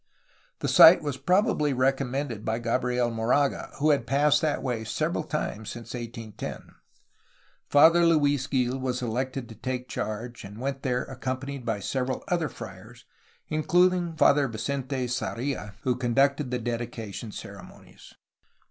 The site was probably recommended by Gabriel Moraga, who had passed that way several times since 1810. Father Luis Gil was elected to take charge, and went there accompanied by several other friars, including Father Vicente Sarrla, who conducted the dedication ceremonies.